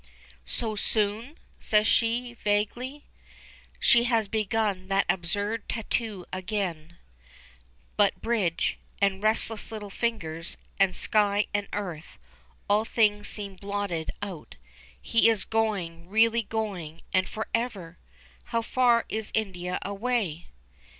"So soon?" says she, vaguely. She has begun that absurd tattoo again, but bridge, and restless little fingers, and sky and earth, and all things seem blotted out. He is going, really going, and for ever! How far is India away?